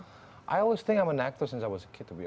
saya selalu pikir saya seorang aktor sejak saya masih kecil